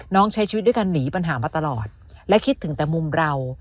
ใช้ชีวิตด้วยการหนีปัญหามาตลอดและคิดถึงแต่มุมเรา